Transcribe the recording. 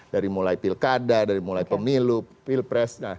dari mulai pilkada dari mulai pemilu pilpres